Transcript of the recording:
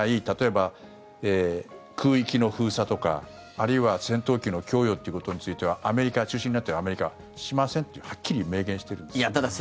例えば、空域の封鎖とかあるいは戦闘機の供与ってことについては中心になっているアメリカはしませんとはっきり明言しているんです。